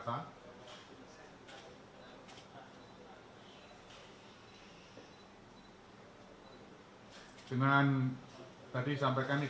tapi saya akan tidak sampaikan dulu